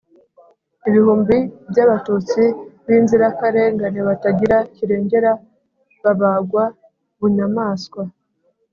ibihumbi by'abatutsi b'inzirakarengane batagira kirengera babagwa bunyamaswa,